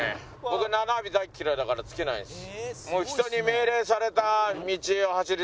僕ナビ大っ嫌いだから付けないです。